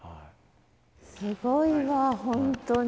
すごいわ本当に。